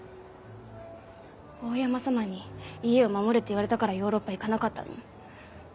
大山様に家を守れって言われたからヨーロッパ行かなかったの？